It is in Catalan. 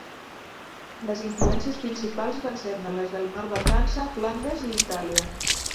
Les influències principals van ser-ne les del nord de França, Flandes i Itàlia.